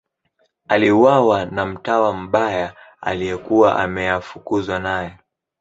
Aliuawa na mtawa mbaya aliyekuwa ameafukuzwa naye.